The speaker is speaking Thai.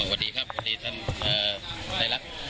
สวัสดีครับสวัสดีท่านไทยรัฐ